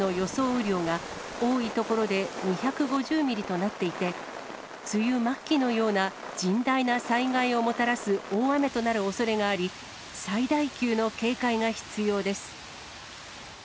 雨量が、多い所で２５０ミリとなっていて、梅雨末期のような甚大な災害をもたらす大雨となるおそれがあり、最大級の警戒が必要です。